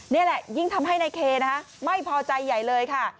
นี่แหละยิ่งทำให้นายเคนะคะไม่พอใจใหญ่เลยค่ะ